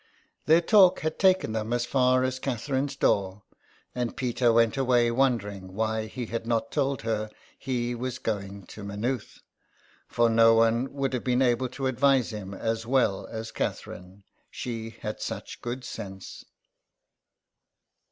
Their talk had taken them as far as Catherine's door, and Peter went away wondering why he had not told her he was going to M aynooth ; for no one would have been able to advise him as well as Catherine, she had such good sense.